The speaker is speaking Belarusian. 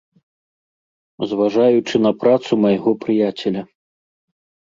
Зважаючы на працу майго прыяцеля.